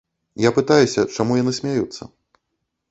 Я пытаюся, чаму яны смяюцца.